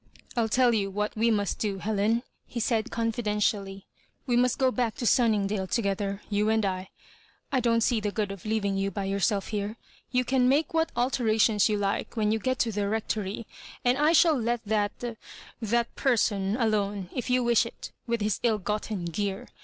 " Til tell you what we must do, Helen," he said, confidentially —" we must go back to Sunningdale together^ you and L I don't see the good of leaving you by yourself here. You can make what alterations you like when you get to the Rectory; and I shall let that—that person alone, if you wish it, with his ill gotten gear.